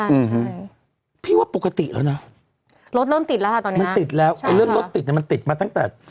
รถเริ่มติดแล้วค่ะตอนเนี้ยมันติดแล้วใช่ค่ะเรื่องรถติดเนี้ยมันติดมาตั้งแต่